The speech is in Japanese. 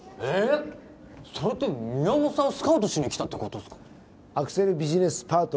えっそれって宮本さんスカウトしに来たってことっすか？